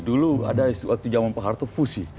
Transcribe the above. dulu ada waktu zaman pak harto fusi